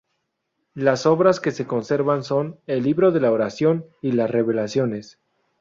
Las obras que se conservan son: el "Libro de la Oración" y las "Revelaciones.